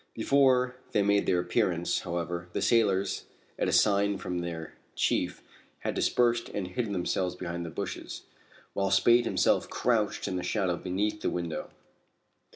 Before they made their appearance, however, the sailors, at a sign from their chief, had dispersed and hidden themselves behind the bushes, while Spade himself crouched in the shadow beneath the window.